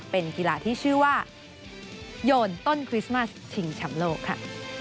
เป็นกีฬาที่ชื่อว่าโยนต้นคริสต์มัสชิงแชมป์โลกค่ะ